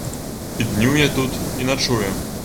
І днюе тут, і начуе.